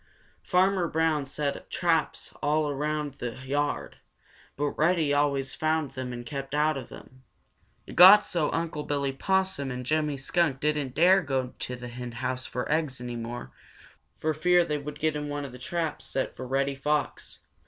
Farmer Brown set traps all around the yard, but Reddy always found them and kept out of them. It got so that Unc' Billy Possum and Jimmy Skunk didn't dare go to the henhouse for eggs any more, for fear that they would get into one of the traps set for Reddy Fox.